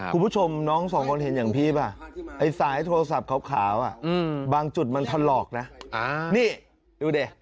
คุณผู้ชมน้องสองคนเห็นอย่างพี่ป่ะไอ้สายโทรศัพท์ขาวบางจุดมันถลอกนะนี่ดูดิ